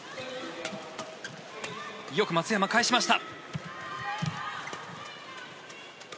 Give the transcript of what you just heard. よく松山返しました。